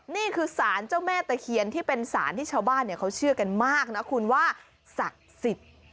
นี่คือสารเจ้าแม่ตะเคียนที่เป็นสารที่ชาวบ้านเขาเชื่อกันมากนะคุณว่าศักดิ์สิทธิ์